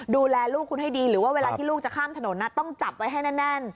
ดูแลลูกคุณให้ดีหรือว่าเวลาที่ลูกจะข้ามถนนต้องจับไว้ให้แน่น